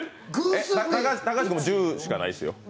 高橋君も１０しかないですよ。